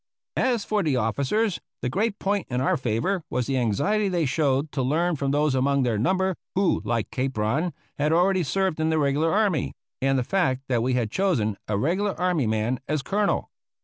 As for the officers, the great point in our favor was the anxiety they showed to learn from those among their number who, like Capron, had already served in the regular army; and the fact that we had chosen a regular army man as Colonel.